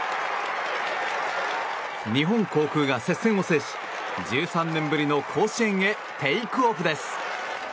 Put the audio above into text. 日本航空が接戦を制し１３年ぶりの甲子園へテイクオフです。